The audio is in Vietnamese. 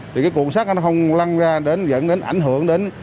thì cái cụm sắt nó không lăn ra đến dẫn đến ảnh hưởng đến